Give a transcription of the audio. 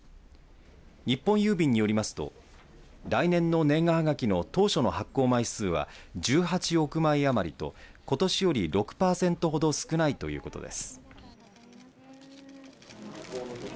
日本郵便によりますと来年の年賀はがきの当初の発行枚数は１８億枚余りとことしより６パーセントほど少ないということです。